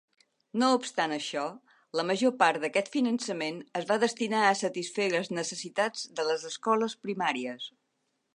No obstant això, la major part d'aquest finançament es va destinar a satisfer les necessitats de les escoles primàries.